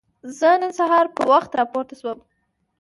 زه نن سهار په وخت راپورته شوم.